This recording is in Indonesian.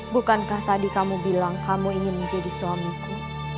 bukankah tadi kamu bilang kamu ingin menjadi suamiku